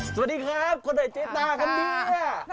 สวัสดีครับคุณเดี่ยไต้เจ๊ตากันดี